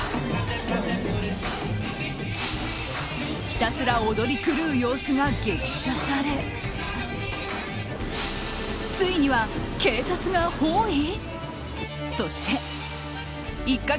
ひたすら踊り狂う様子が激写されついには警察が包囲？